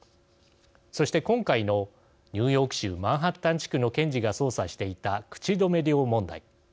そして今回のニューヨーク州マンハッタン地区の検事が捜査していた口止め料問題。